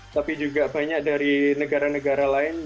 tapi juga banyak dari negara negara lain